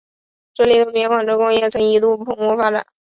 这里的棉纺织工业曾一度蓬勃发展。